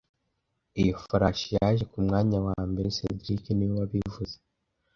Iyo farashi yaje ku mwanya wa mbere cedric niwe wabivuze